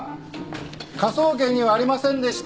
科捜研にはありませんでした